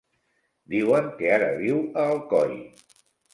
Diuen que ara viu a Alcoi.